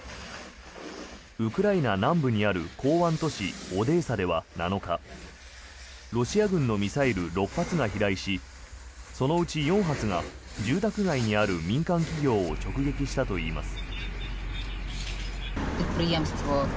ウクライナ南部にある港湾都市オデーサでは７日ロシア軍のミサイル６発が飛来しそのうち４発が住宅街にある民間企業を直撃したといいます。